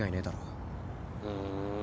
ふん。